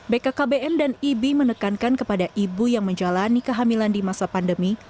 bkkbn dan ibi menekankan kepada ibu yang menjalani kehamilan di masa pandemi